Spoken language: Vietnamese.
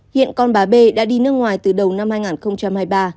hiện con bà b đã đi nước ngoài từ đầu năm hai nghìn hai mươi ba